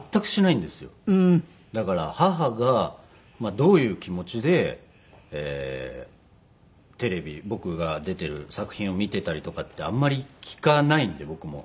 だから母がどういう気持ちでテレビ僕が出ている作品を見ていたりとかってあんまり聞かないんで僕も。